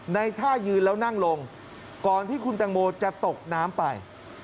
ท่ายืนแล้วนั่งลงก่อนที่คุณตังโมจะตกน้ำไป